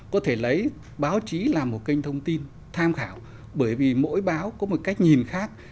có thể lấy báo chí là một kênh thông tin tham khảo bởi vì mỗi báo có một cách nhìn khác